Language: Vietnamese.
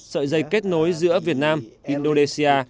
sợi dây kết nối giữa việt nam indonesia